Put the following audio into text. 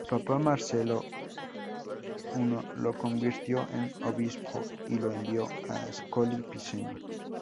El Papa Marcelo I lo convirtió en obispo y lo envió a Ascoli Piceno.